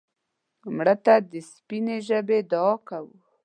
مړه ته د سپینې ژبې دعا کوو